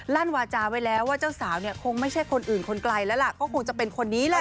ั่นวาจาไว้แล้วว่าเจ้าสาวเนี่ยคงไม่ใช่คนอื่นคนไกลแล้วล่ะก็คงจะเป็นคนนี้แหละ